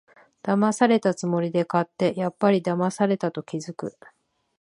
だまされたつもりで買って、やっぱりだまされたと気づく